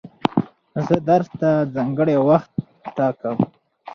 زه درس ته ځانګړی وخت ټاکم.